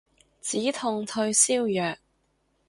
止痛退燒藥